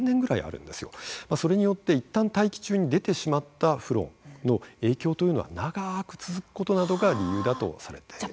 それによって一旦大気中に出てしまったフロンの影響というのは長く続くことなどが理由だとされているんです。